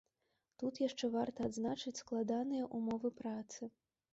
Тут яшчэ варта адзначыць складаныя ўмовы працы.